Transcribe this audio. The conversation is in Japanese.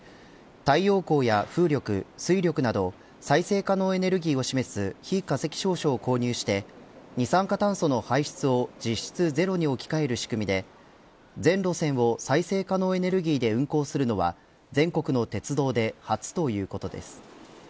太陽光や風力、水力など再生可能エネルギーを示す非化石証書を購入して二酸化炭素の排出を実質ゼロに置き換える仕組みで全路線を再生可能エネルギーで運行するのは全国の鉄道で初ということです。